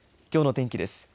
きょうの天気です。